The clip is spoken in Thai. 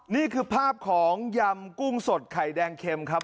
นี่คือภาพของยำกุ้งสดไข่แดงเข็มครับ